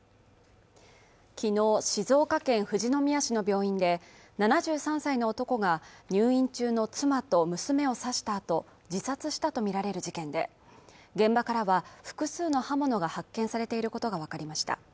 昨日静岡県富士宮市の病院で７３歳の男が入院中の妻と娘を刺したあと自殺したとみられる事件で現場からは複数の刃物が発見されていることが分かりました